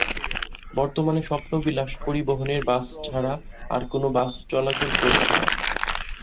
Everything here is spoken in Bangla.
বর্তমানে স্বপ্নবিলাস পরিবহনের বাস ছাড়া আর কোনো বাস চলাচল করছে না।